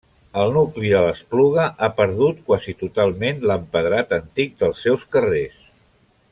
El nucli de l'Espluga ha perdut quasi totalment l'empedrat antic dels seus carrers.